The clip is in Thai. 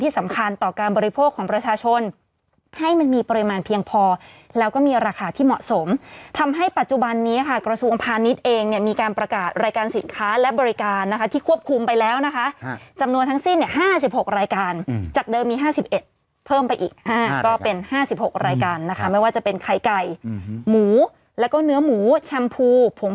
สมมติวันนี้คุณเอาไปสูบความสนุกซะหนัง